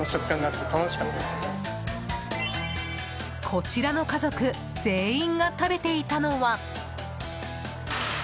こちらの家族全員が食べていたのは。